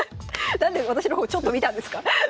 何で私の方ちょっと見たんですか？